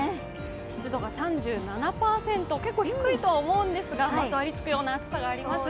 湿度が３７％、結構低いとは思うんですが、まとわりつくような暑さがあります。